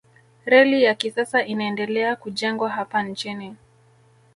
reli ya kisasa inaendelea kujengwa hapa nchini